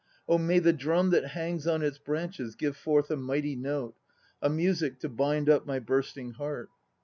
Oh, may the drum that hangs on its branches give forth a mighty note, a music to bind up my bursting heart.